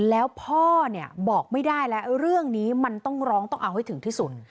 แล้วพ่อเนี่ยบอกไม่ได้แล้วเรื่องนี้มันต้องร้องต้องเอาให้ถึงที่สุด